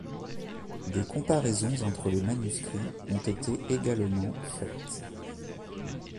Des comparaisons entre les manuscrits ont été également faites.